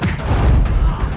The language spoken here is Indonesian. pidatlah sesuai warisanmu